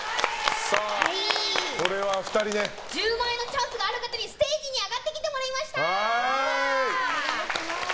１０万円のチャンスがある方にステージに上がってきてもらいました。